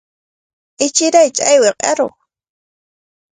Ichiraytsu, ayway aruq.